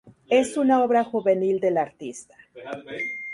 Es una obra juvenil del artista.